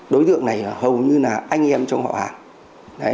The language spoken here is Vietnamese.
đối tượng này hầu như là anh em trong họ hàng